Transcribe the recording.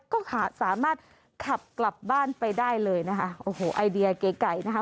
ก็สามารถขับกลับบ้านไปได้เลยนะคะโอ้โหไอเดียเก๋ไก่นะคะ